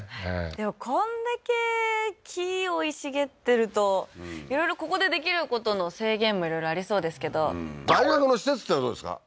でもこんだけ木生い茂ってるといろいろここでできることの制限もいろいろありそうですけど大学の施設ってのはどうですか？